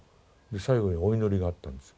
最後にお祈りがあったんです。